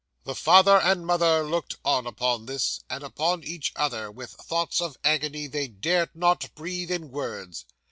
'The father and mother looked on upon this, and upon each other, with thoughts of agony they dared not breathe in words.